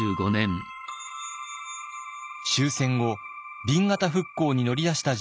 終戦後紅型復興に乗り出した人物がいます。